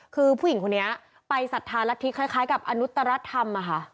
คือผู้หญิงคนนี้ไปสัทธารักษณีย์คล้ายกับอนุตรธรรม